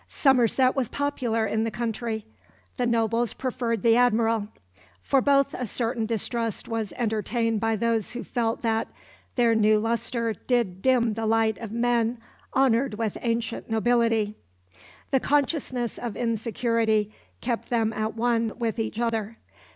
Somerset was popular in the country; the nobles preferred the Admiral. For both a certain distrust was entertained by those who felt that "their new lustre did dim the light of men honoured with ancient nobility." The consciousness of insecurity kept them at one with each other.